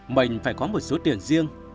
mình phải có một số tiền riêng